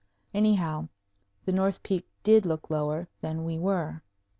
Anyhow, the north peak did look lower than we were.